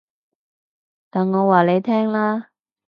等我話你聽啦